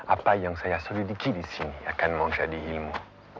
apa yang saya selidiki di sini akan menjadi ilmu